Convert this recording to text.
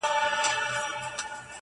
وګړي ډېر سول د نیکه دعا قبوله سوله!.